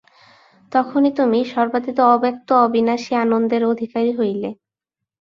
তখনই তুমি সর্বাতীত অব্যক্ত অবিনাশী আনন্দের অধিকারী হইলে।